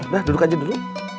duh duduk aja dulu